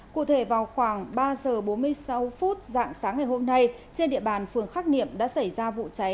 cụ thể vào khoảng ba giờ bốn mươi sáu phút dạng sáng ngày hôm nay trên địa bàn phường khắc niệm đã xảy ra vụ cháy